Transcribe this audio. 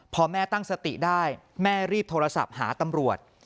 พอแม่ตั้งสติได้แม่รีบโทรศัพท์หาตำรวจ